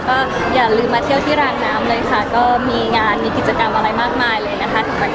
ก็อย่าลืมมาเที่ยวที่รางน้ำเลยค่ะก็มีงานมีกิจกรรมอะไรมากมายเลยขี้มะแให้สุกไว้นะคะ